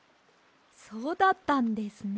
そうだったんですね。